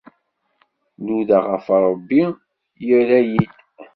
Nudaɣ ɣef Rebbi, irra-iyi-d.